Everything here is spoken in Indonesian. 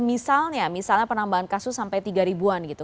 misalnya penambahan kasus sampai tiga ribu an gitu